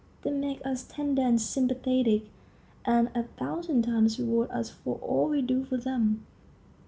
They make us tender and sympathetic, and a thousand times reward us for all we do for them.